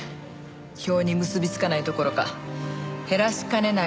票に結びつかないどころか減らしかねない